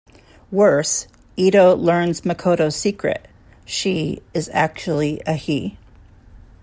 Worse, Ito learns Makoto's secret: "she" is actually a "he".